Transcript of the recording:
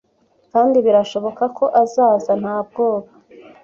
Kandi birashoboka ko azaza, nta bwoba,